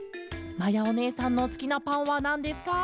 まやおねえさんのすきなパンはなんですか？」。